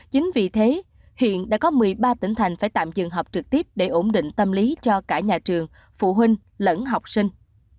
chính vì thế hiện đã có một mươi ba tỉnh thành phải tạm dừng học trực tiếp để ổn định tâm lý cho cả nhà trường phụ huynh lẫn học sinh